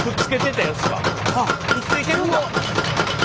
あっくっついてるんだ。